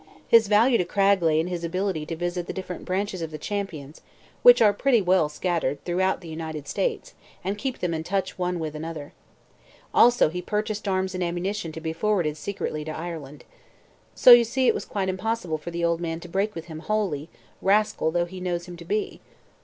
His value to Cragg lay in his ability to visit the different branches of the Champions, which are pretty well scattered throughout the United States, and keep them in touch one with the other. Also he purchased arms and ammunition to be forwarded secretly to Ireland. So you see it was quite impossible for the old man to break with him wholly, rascal though he knows him to be."